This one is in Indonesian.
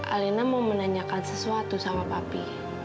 alena mau menanyakan sesuatu sama papi